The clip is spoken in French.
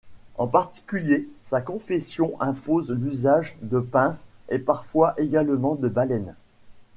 En particulier, sa confection impose l'usage de pinces et parfois également de baleines.